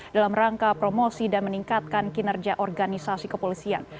dalam rangka promosi dan meningkatkan kinerja organisasi kepolisian